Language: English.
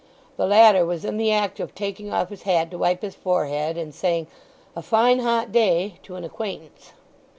The latter was in the act of taking off his hat to wipe his forehead, and saying, "A fine hot day," to an acquaintance.